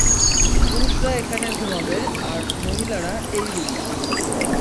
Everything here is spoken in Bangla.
পুরুষরা এখানে ঘুমাবে, আর মহিলারা এই রুমে।